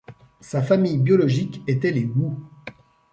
Sa famille biologique était les Wou.